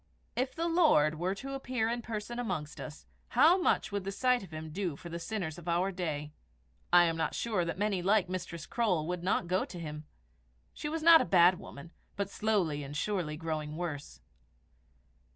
If the Lord were to appear in person amongst us, how much would the sight of him do for the sinners of our day? I am not sure that many like Mistress Croale would not go to him. She was not a bad woman, but slowly and surely growing worse.